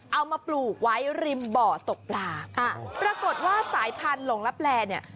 เอามาปลูกไว้ริมบ่อตกปลาอ่าปรากฏว่าสายพันธุ์หลงลับแลเนี่ย